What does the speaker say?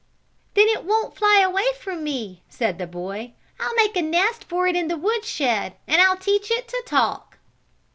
"Then it won't fly away from me," said the boy. "I'll make a nest for it in the woodshed, and then I'll teach it to talk."